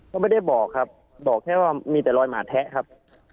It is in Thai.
ก็ไม่ได้บอกครับบอกแค่ว่ามีแต่รอยหมาแทะครับ